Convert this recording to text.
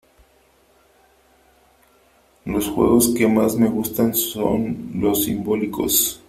Los juegos que más me gustan son los simbólicos.